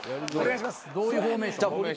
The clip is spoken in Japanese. どういうフォーメーション？